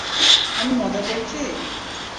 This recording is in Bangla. আমি মজা করছি?